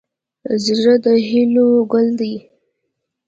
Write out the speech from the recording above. زړه د هیلو ګل دی.